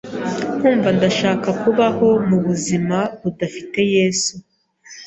nkumva ndashaka kubaho mu buzima budafite Yesu